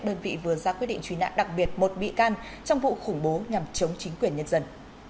đơn vị vừa ra quyết định truy nã đặc biệt một bị can trong vụ khủng bố nhằm chống chính quyền nhân dân